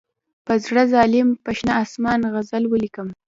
په زړه ظالم پر شنه آسمان غزل ولیکم.